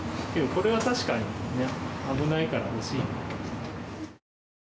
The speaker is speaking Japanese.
これは確かに危ないから欲しいな。